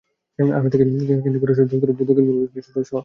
আমি থাকি ক্যান্টারবুরি শহরে, যুক্তরাজ্যের দক্ষিণ পূর্ব অঞ্চলের একটি ছোট শহর।